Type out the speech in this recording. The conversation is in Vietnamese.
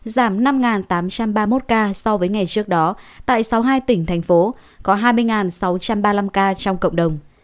giảm năm tám trăm ba mươi một ca so với ngày trước đó tại sáu mươi hai tỉnh thành phố có hai mươi sáu trăm ba mươi năm ca trong cộng đồng